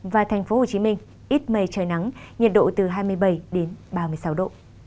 và thành phố hồ chí minh ít mây trời nắng nhiệt độ từ hai mươi bảy đến ba mươi sáu độ